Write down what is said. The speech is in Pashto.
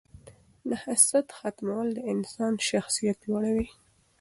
د حسد ختمول د انسان شخصیت لوړوي.